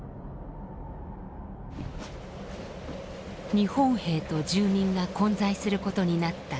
日本兵と住民が混在することになった轟壕。